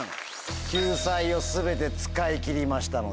救済を全て使い切りましたので。